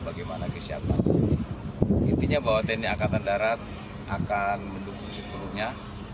bagaimana kesiapan di sini intinya bahwa tni angkatan darat akan mendukung sepenuhnya